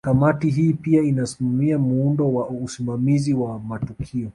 Kamati hii pia inasimamia muundo wa usimamizi wa matukio